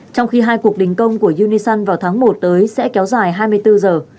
trong khi hai cuộc đình công của unison vào tháng một tới sẽ kéo dài hai mươi bốn giờ